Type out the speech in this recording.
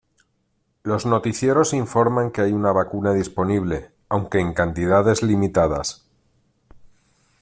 Los noticieros informan que hay una vacuna disponible, aunque en cantidades limitadas.